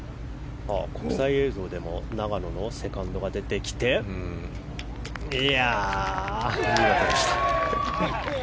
国際映像でも永野のセカンドが出てきました。